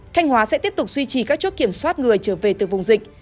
thanh hóa sẽ tiếp tục duy trì các chốt kiểm soát người trở về từ vùng dịch